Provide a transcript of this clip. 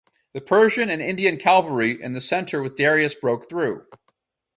The Persian and Indian cavalry in the center with Darius broke through.